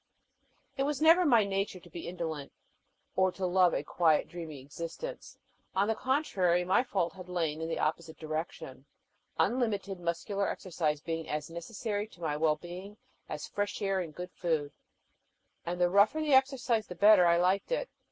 It was never my nature to be indolent, or to love a quiet, dreamy existence: on the contrary, my fault had lain in the opposite direction, unlimited muscular exercise being as necessary to my well being as fresh air and good food, and the rougher the exercise the better I liked it.